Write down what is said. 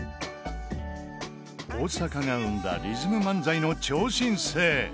大阪が生んだリズム漫才の超新星